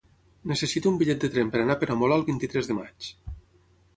Necessito un bitllet de tren per anar a Peramola el vint-i-tres de maig.